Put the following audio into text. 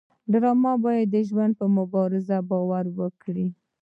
ډرامه باید د ژوند په مبارزه باور ورکړي